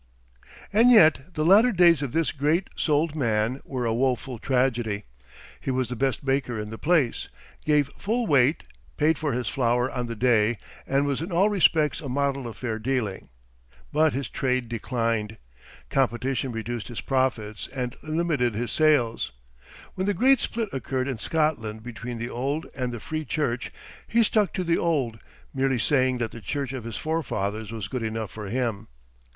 And yet the latter days of this great souled man were a woeful tragedy. He was the best baker in the place, gave full weight, paid for his flour on the day, and was in all respects a model of fair dealing. But his trade declined. Competition reduced his profits and limited his sales. When the great split occurred in Scotland between the old and the free church, he stuck to the old, merely saying that the church of his forefathers was good enough for him.